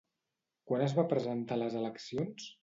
Quan es va presentar a les eleccions?